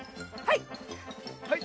はい。